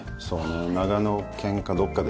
長野県かどっかで。